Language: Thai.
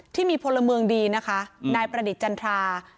ที่มีพลเมืองดีนะคะนายประดิษฐ์จันทรา